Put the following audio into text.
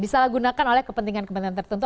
disalahgunakan oleh kepentingan kepentingan tertentu